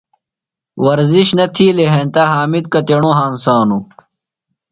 ورزش نہ تِھیلیۡ ہینتہ حامد کتیݨوۡ ہنسانوۡ؟